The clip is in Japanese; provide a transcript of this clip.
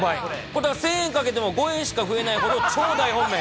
だから１０００円かけても５円しか増えないほど、超大本命。